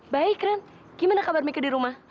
baik ren gimana kabar mika di rumah